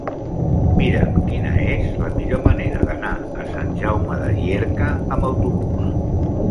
Mira'm quina és la millor manera d'anar a Sant Jaume de Llierca amb autobús.